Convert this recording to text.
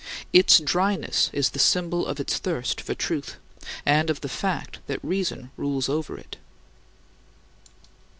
Its dryness is the symbol of its thirst for truth, and of the fact that reason rules over it.